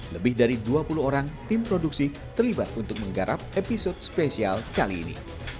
lebih dari dua puluh orang tim produksi terlibat untuk menggarap episode spesial kali ini